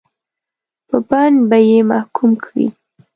په بند به یې محکوم کړي.